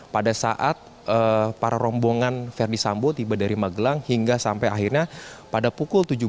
pada saat para rombongan verdi sambo tiba dari magelang hingga sampai akhirnya pada pukul tujuh belas